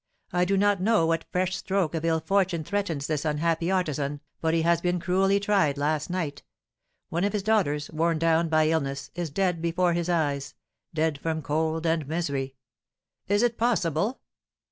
I do not know what fresh stroke of ill fortune threatens this unhappy artisan, but he has been cruelly tried last night, one of his daughters, worn down by illness, is dead before his eyes, dead from cold and misery." "Is it possible?"